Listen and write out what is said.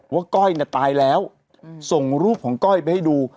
ก้อยตายแล้วส่งรูปของก้อยไปให้ดู